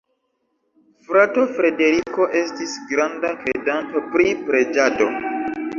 Frato Frederiko estis granda kredanto pri preĝado.